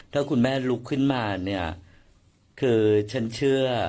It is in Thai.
ถ้าคุณแม่ลุกขึ้นมาเนี่ยคือฉันเชื่อ